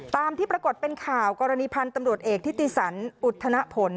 ตามที่ปรากฏเป็นข่าวกรณีพันธ์ตำรวจเอกทิติสันอุทธนผล